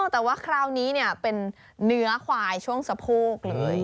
แต่ว่าคราวนี้เป็นเนื้อควายช่วงสะโพกเลย